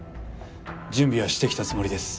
準備はしてきたつもりです。